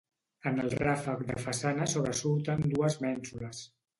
En el ràfec de façana sobresurten dues mènsules.